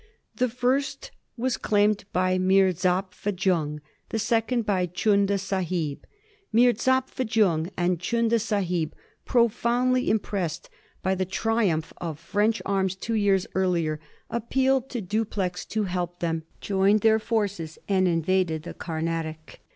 The first was claimed by Mirzapha Jung ; the second by Chunda Sahib. Mirzapha Jung and Chunda Sahib, profoundly impressed by the triumph of French arms two years earlier, appealed to Dupleix to help them, joined their forces, and invaded the Carnatic.